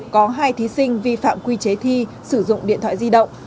có hai thí sinh vi phạm quy chế thi sử dụng điện thoại di động